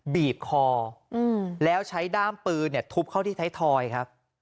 บีบคอแล้วใช้ด้ามปืนทุบเข้าที่ไทยทอยครับ